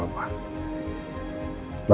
semuanya gak apa apa